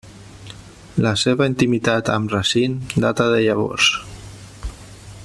La seva intimitat amb Racine data de llavors.